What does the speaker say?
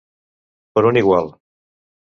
Per un igual.